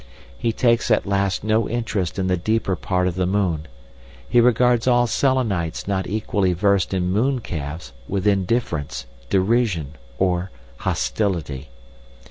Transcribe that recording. He takes at last no interest in the deeper part of the moon; he regards all Selenites not equally versed in mooncalves with indifference, derision, or hostility.